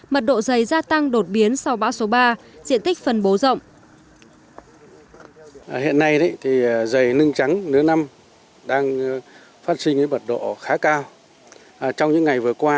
mật độ dày gia tăng đột biến sau bão số ba diện tích phân bố rộng